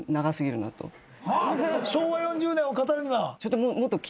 昭和４０年を語るには。